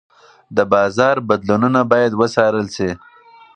د بازار بدلونونه باید وڅارل شي.